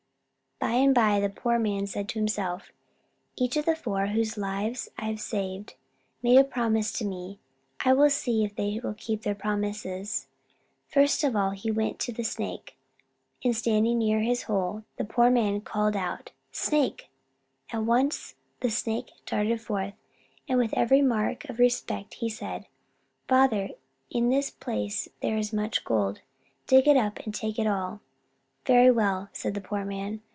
By and by the poor man said to himself: "Each of the four whose lives I saved made a promise to me. I will see if they will keep their promises." First of all he went to the Snake, and standing near his hole, the poor man called out, "Snake!" At once the Snake darted forth, and with every mark of respect he said: "Father, in this place there is much gold. Dig it up and take it all." "Very well," said the poor man.